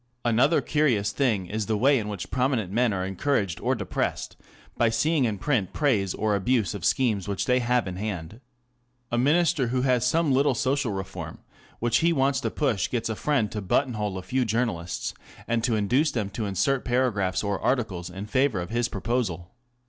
Another curious thing is the way in which prominent men are encouraged or depressed by seeing in print praise or abuse of schemes which they have in hand. A Minister who has some little social reform which he wants to push gets a friend to button hole a few journal ists, and to induce them to insert paragraphs or articles in favour of his proposal.